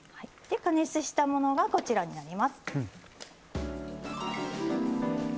で加熱したものがこちらになります。